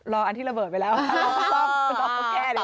รออันที่ระเบิดไปแล้วรอป้องแก้ดีกว่า